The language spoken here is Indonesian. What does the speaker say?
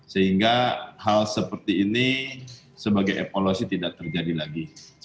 sehingga hal seperti ini sebagai evolusi tidak terjadi lagi